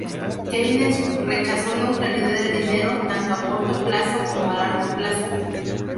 Keynes rechazó neutralidad del dinero, tanto a corto plazo como a largo plazo.